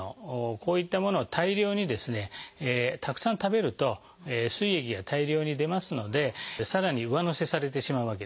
こういったものを大量にですねたくさん食べるとすい液が大量に出ますのでさらに上乗せされてしまうわけですね。